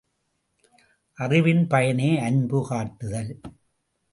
அறிவின் பயனே அன்பு காட்டுதல்.